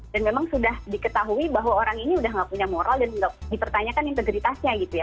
dan memang sudah diketahui bahwa orang ini sudah tidak punya moral dan tidak dipertanyakan integritasnya gitu ya